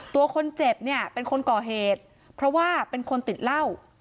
ตัวคนเจ็บเนี่ยเป็นคนก่อเหตุเพราะว่าเป็นคนติดเหล้า